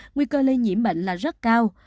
nguy cơ lây nhiễm bệnh là rất cao